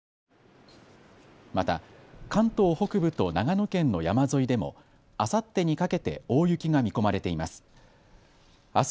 また関東北部と長野県の山沿いでもあさってにかけて大雪が見込まれています。